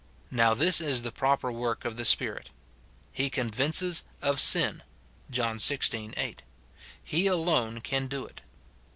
Now this is the proper work of the Spirit :*' He convinces of sin," John xvi. 8 ; he alone can do it.